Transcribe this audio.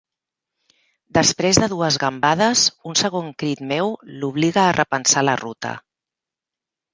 Després de dues gambades, un segon crit meu l'obliga a repensar la ruta.